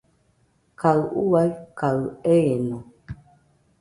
Kaɨ ua kaɨ eeno.